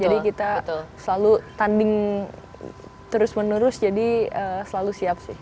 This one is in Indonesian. jadi kita selalu tanding terus menerus jadi selalu siap sih